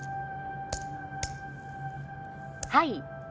はい